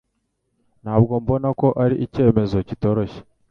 Ntabwo mbona ko ari icyemezo kitoroshye